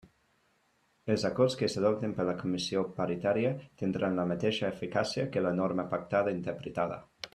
Els acords que s'adopten per la Comissió Paritària tindran la mateixa eficàcia que la norma pactada interpretada.